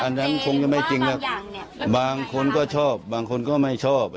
อันนั้นคงจะไม่จริงแล้วบางคนก็ชอบบางคนก็ไม่ชอบ